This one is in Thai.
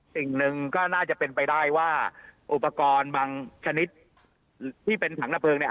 สิ่งหนึ่งก็น่าจะเป็นไปได้ว่าอุปกรณ์บางชนิดที่เป็นถังระเพลิงเนี่ย